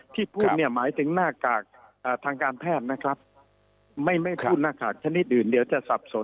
พูดเนี่ยหมายถึงหน้ากากทางการแพทย์นะครับไม่ไม่พูดหน้ากากชนิดอื่นเดี๋ยวจะสับสน